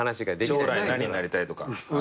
将来何になりたいとか。